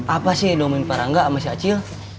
apa sih nomen pak rangga sama si acil